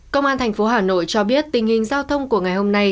công an thành phố hà nội cho biết tình hình giao thông của ngày hôm nay